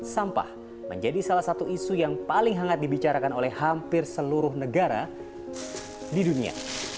sampah menjadi salah satu isu yang paling hangat dibicarakan oleh hampir seluruh negara di dunia